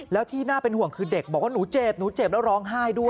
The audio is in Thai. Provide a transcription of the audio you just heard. แล้วที่น่าเป็นห่วงคือเด็กบอกว่าหนูเจ็บหนูเจ็บแล้วร้องไห้ด้วย